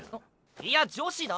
いや女子だ！